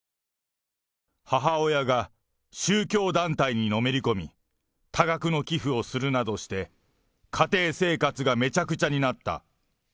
母親が宗教団体にのめり込み、多額の寄付をするなどして、家庭生活がめちゃくちゃになった。